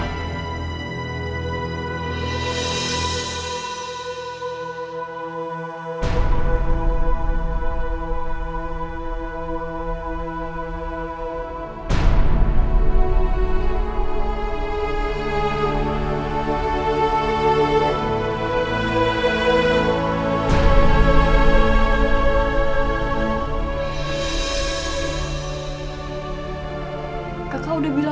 tunggu kakak sebentar ya